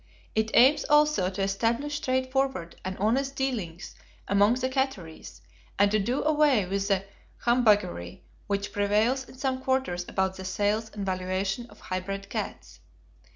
It aims also to establish straightforward and honest dealings among the catteries and to do away with the humbuggery which prevails in some quarters about the sales and valuation of high bred cats.